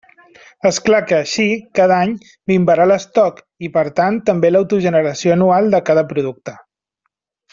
És clar que així, cada any, minvarà l'estoc, i per tant també l'autogeneració anual de cada producte.